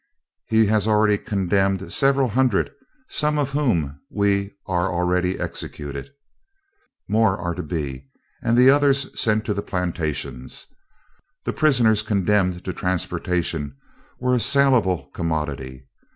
"He has already condemned several hundreds, some of whom we are already executed, more are to be, and the others sent to the plantations." The prisoners condemned to transportation were a salable commodity.